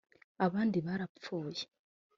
abandi barapfuye